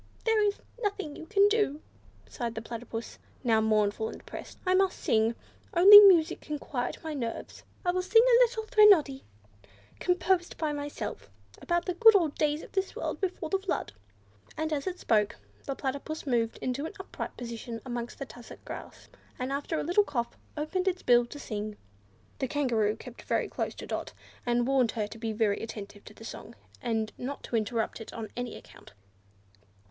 "There is nothing you can do," Sighed the Platypus, now mournful and depressed. "I must sing. Only music can quiet my nerves. I will sing a little threnody composed by myself, about the good old days of this world before the Flood." And as it spoke, the Platypus moved into an upright position amongst the tussock grass, and after a little cough opened its bill to sing. The Kangaroo kept very close to Dot, and warned her to be very attentive to the song, and not to interrupt it on any account.